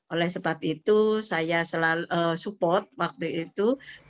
oleh sebab itu saya selalu support waktu itu